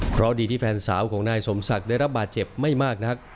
เพราะดีที่แฟนสาวของนายสมศักดิ์ได้รับบาดเจ็บไม่มากนัก